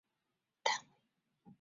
事业单位